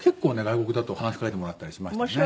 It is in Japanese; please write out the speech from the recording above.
外国だと話しかけてもらったりしましたね。